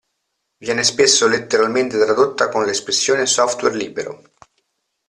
Viene spesso letteralmente tradotta con l'espressione "Software Libero".